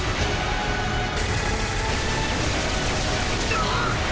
うわっ！